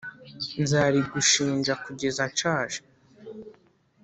Nzarigushinja kugeza nshaje